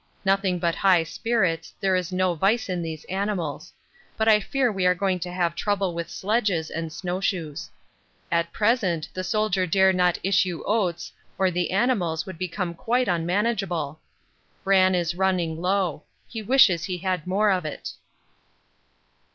Nothing but high spirits, there is no vice in these animals; but I fear we are going to have trouble with sledges and snow shoes. At present the Soldier dare not issue oats or the animals would become quite unmanageable. Bran is running low; he wishes he had more of it.